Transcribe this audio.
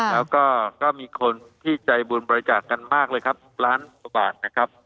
แล้วก็ก็มีคนที่ใจบุญบริจาคกันมากเลยครับล้านกว่าบาทนะครับ